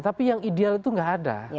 tapi yang ideal itu nggak ada